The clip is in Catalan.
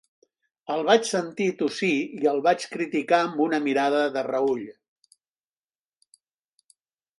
El vaig sentir tossir, i el vaig criticar amb una mirada de reüll.